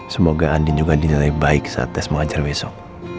semoga andin juga dinilai baik saat tes mengajar besok